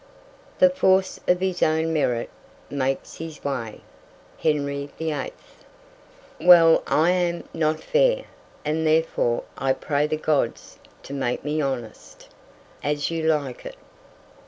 "The force of his own merit makes his way." Henry VIII. "Well, I am, not fair; and therefore I pray the gods to make me honest." As You Like It.